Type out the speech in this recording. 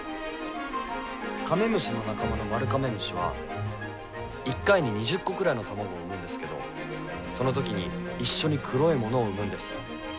カメムシの仲間のマルカメムシは一回に２０個くらいの卵を産むんですけどその時に一緒に黒いものを産むんです。